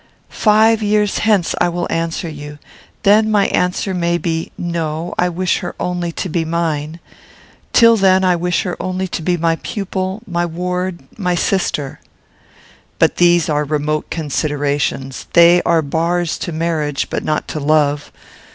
"Five years hence I will answer you. Then my answer may be, 'No; I wish her only to be mine.' Till then, I wish her only to be my pupil, my ward, my sister." "But these are remote considerations; they are bars to marriage, but not to love.